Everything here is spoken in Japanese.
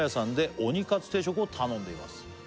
「オニかつ定食を頼んでいます」